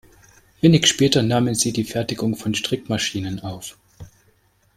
Wenig später nahmen sie die Fertigung von Strickmaschinen auf.